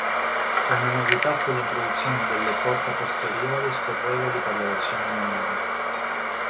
Una novità fu l'introduzione delle porta posteriori scorrevoli per la versione minivan.